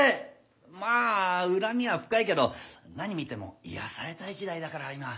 まあ恨みは深いけど何見ても癒やされたい時代だから今。